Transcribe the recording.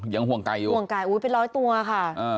ยังห่วงไก่อยู่ห่วงไก่อุ้ยเป็นร้อยตัวค่ะ